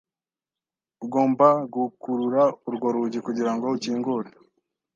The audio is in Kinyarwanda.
Ugomba gukurura urwo rugi kugirango ukingure.